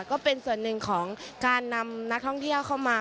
ก็เป็นส่วนหนึ่งของการนำนักท่องเที่ยวเข้ามา